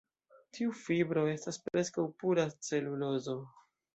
Tiu fibro estas preskaŭ pura celulozo.